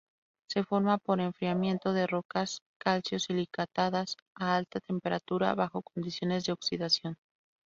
Se forma por enfriamiento de rocas cálcico-silicatadas a alta temperatura, bajo condiciones de oxidación.